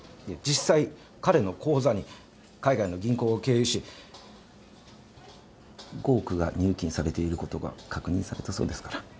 いや実際彼の口座に海外の銀行を経由し５億が入金されていることが確認されたそうですから。